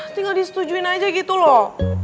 tinggal disetujuin aja gitu loh